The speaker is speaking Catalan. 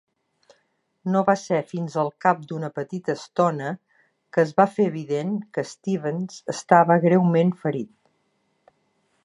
No va ser fins al cap d'una petita estona que es va fer evident que Stevens estava greument ferit.